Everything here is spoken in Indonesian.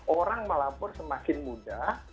orang melapor semakin mudah